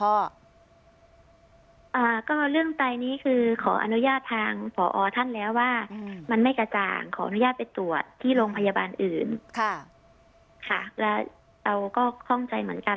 ก็เรื่องไตนี้คือขออนุญาตทางผอท่านแล้วว่ามันไม่กระจ่างขออนุญาตไปตรวจที่โรงพยาบาลอื่นค่ะค่ะแล้วเราก็คล่องใจเหมือนกัน